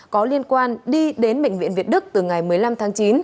có liên quan đi đến bệnh viện việt đức từ ngày một mươi năm tháng chín